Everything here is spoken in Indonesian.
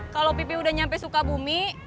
kalau pipi udah nyampe sukabumi